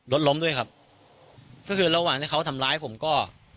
รถล้มด้วยครับก็คือระหว่างที่เขาทำร้ายผมก็